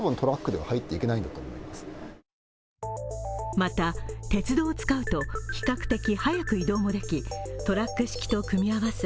また、鉄道を使うと比較的速く移動もできトラック式と組み合わせ